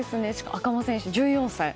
赤間選手、１４歳。